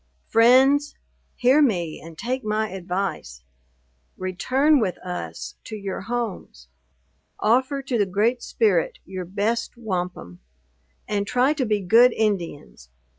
"Friends, hear me, and take my advice. Return with us to your homes. Offer to the Great Spirit your best wampum, and try to be good Indians!